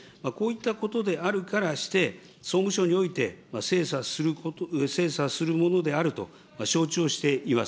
こういったことであるからして、総務省において、精査するものであると承知をしております。